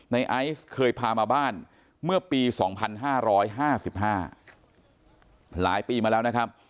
ไอซ์เคยพามาบ้านเมื่อปี๒๕๕๕หลายปีมาแล้วนะครับ